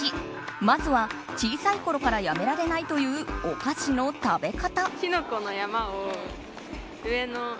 まずは、小さいころからやめられないというお菓子の食べ方。